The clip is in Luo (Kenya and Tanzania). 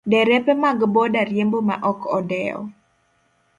Derepe mag boda riembo ma ok odewo.